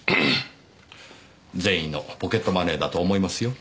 善意のポケットマネーだと思いますよ。